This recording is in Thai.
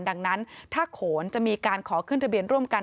ดังนั้นถ้าโขนจะมีการขอขึ้นทะเบียนร่วมกัน